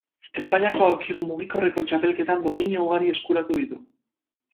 Espainiako aulki mugikorreko txapelketan domina ugari eskuratu ditu.